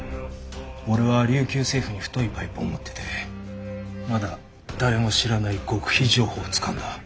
俺は琉球政府に太いパイプを持っててまだ誰も知らない極秘情報をつかんだ。